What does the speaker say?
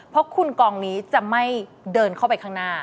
เพราะคุณกองนี้จะไม่เดินเข้าไปข้างหน้า